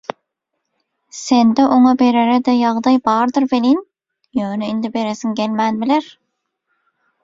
sende oňa berere-de ýagdaý bardyr welin, ýöne indi beresiň gelmän biler.